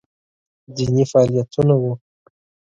دیني فعالیتونه وو